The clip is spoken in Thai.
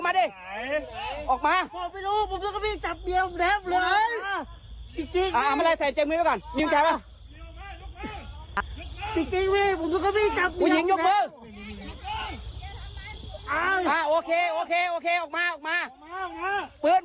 ปืนมึงอยู่ไหนปืนมึงอยู่ไหน